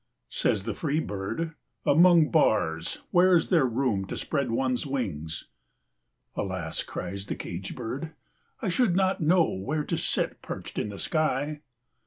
Says the free bird, "Among bars, where is there room to spread one's wings?" "Alas," cries the cage bird, "I should not know where to sit perched in the sky."